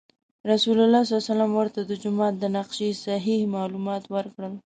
رسول الله صلی الله علیه وسلم ورته د جومات د نقشې صحیح معلومات ورکړل.